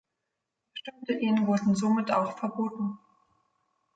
Bestimmte Ehen wurden somit auch verboten.